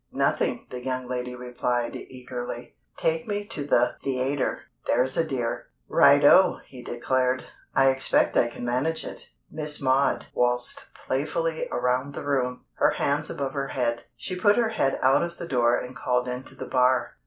"Nothing," the young lady replied, eagerly. "Take me to the theatre, there's a dear." "Righto!" he declared. "I expect I can manage it." Miss Maud waltzed playfully around the room, her hands above her head. She put her head out of the door and called into the bar.